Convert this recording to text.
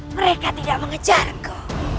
mereka tidak mengejarku